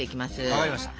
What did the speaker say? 分かりました！